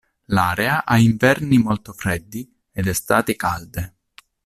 L'area ha inverni molto freddi, ed estati calde.